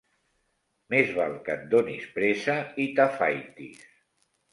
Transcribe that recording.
Més val que et donis pressa i t'afaitis.